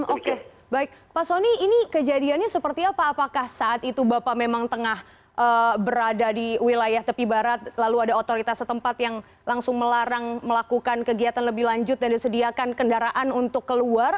oke baik pak soni ini kejadiannya seperti apa apakah saat itu bapak memang tengah berada di wilayah tepi barat lalu ada otoritas setempat yang langsung melarang melakukan kegiatan lebih lanjut dan disediakan kendaraan untuk keluar